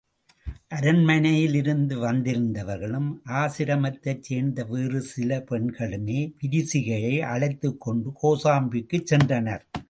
அரண்மனையிலிருந்து வந்திருந்தவர்களும் ஆசிரமத்தைச் சேர்ந்த வேறு சில பெண்களுமே விரிசிகையை அழைத்துக் கொண்டு கோசாம்பிக்குச் சென்றனர்.